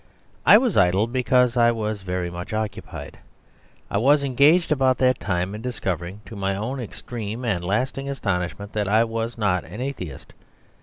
I was idle because I was very much occupied; I was engaged about that time in discovering, to my own extreme and lasting astonishment, that I was not an atheist.